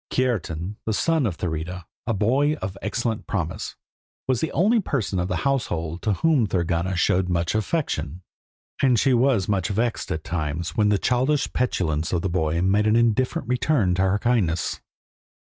Kiartan, the son of Thurida, a boy of excellent promise, was the only person of the household to whom Thorgunna showed much affection; and she was much vexed at times when the childish petulance of the boy made an indifferent return to her kindness.